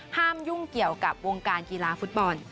ยุ่งเกี่ยวกับวงการกีฬาฟุตบอล